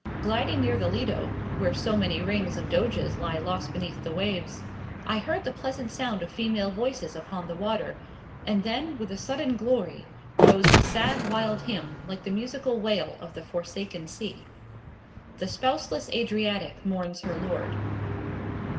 Gliding near the Lido where so many rings of Doges lie lost beneath the waves I heard the pleasant sound of female voices upon the water and then, with a sudden glory, rose a sad, wild hymn, like the musical wail of the forsaken sea: The spouseless Adriatic mourns her lord.